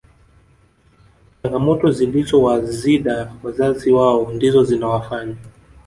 changamoto zilizowazida wazazi wao ndizo zinawafanya